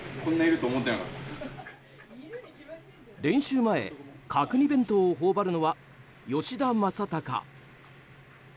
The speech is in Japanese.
練習前、角煮弁当を頬張るのは吉田正尚。